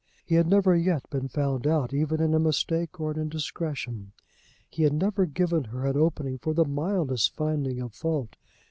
He had never yet been found out even in a mistake or an indiscretion. He had never given her an opening for the mildest finding of fault.